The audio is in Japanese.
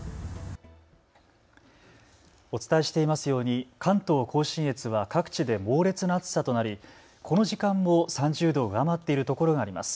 お伝えしていますように関東甲信越は各地で猛烈な暑さとなり、この時間も３０度を上回っているところがあります。